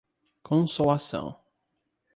Consolação